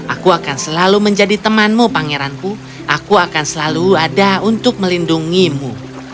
aku akan selalu menjadi temanmu pangeranku aku akan selalu ada untuk melindungimu